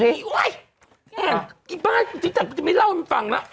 แกอ่านอีบ๊าฉันจัดไม่เล่าให้มันฟังแล้ว